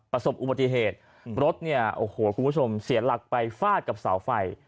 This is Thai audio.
ประสบอุบัติเหตุรถเนี่ยโอ้โหคุณผู้ชมเสียหลักไปฟาดกับเสาไฟ